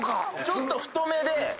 ちょっと太めで。